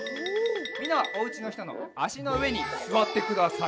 みんなはおうちのひとのあしのうえにすわってください。